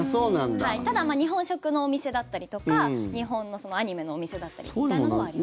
ただ、日本食のお店だったりとか日本のアニメのお店だったりみたいなのはあります。